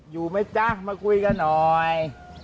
อยู่ไหมจ๊ะมาคุยกันหน่อย